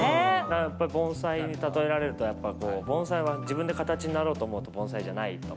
やっぱ盆栽に例えられると、盆栽は自分で形になろうと思うと、盆栽じゃないと。